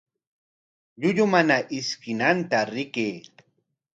Llullu mana ishkinanta rikay.